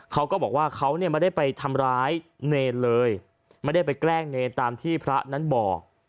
เขาก็บอกว่าเขาเนี่ยไม่ได้ไปทำร้ายเนรเลยไม่ได้ไปแกล้งเนรตามที่พระนั้นบอก